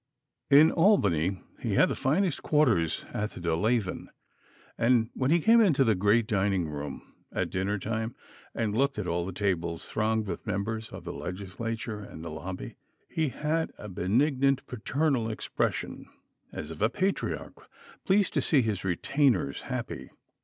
In Albany he had the finest quarters at the Delavan, and when he came into the great dining room at dinner time, and looked at all the tables thronged with members of the Legislature and the lobby, he had a benignant, paternal expression, as of a patriarch pleased to see his retainers happy.